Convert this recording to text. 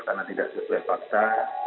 karena tidak sesuai fakta